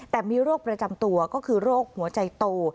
แต่มีโรคประจำตัวก็คือโรคหัวใจโต